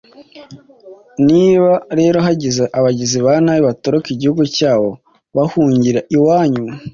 niba rero hagize abagizibanabi batoroka igihugu cyabo bagahungira iwanyu